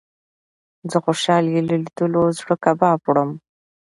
زه خوشال يې له ليدلو زړه کباب وړم